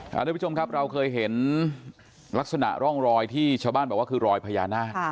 ทุกผู้ชมครับเราเคยเห็นลักษณะร่องรอยที่ชาวบ้านบอกว่าคือรอยพญานาค